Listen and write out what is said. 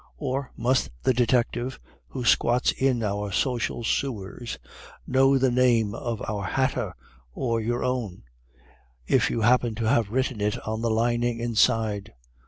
Or must the detective, who squats in our social sewers, know the name of your hatter, or your own, if you happen to have written it on the lining inside?